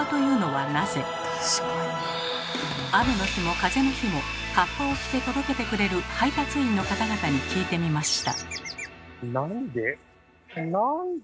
雨の日も風の日もかっぱを着て届けてくれる聞いてみました。